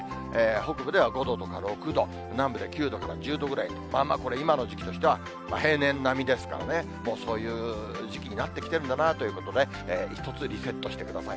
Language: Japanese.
北部では５度とか６度、南部で９度とか１０度ぐらいと、まあまあ、これ、今の時期としては、平年並みですからね、そういう時期になってきているんだなということで、一つリセットしてください。